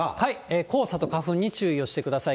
黄砂と花粉に注意をしてください。